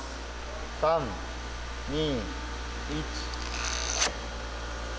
３２１。